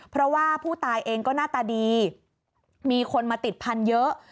เพราะว่าผู้ตายเองก็หน้าตาดีมีคนมาติดพันธุ์เยอะ